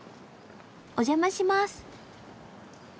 お邪魔します。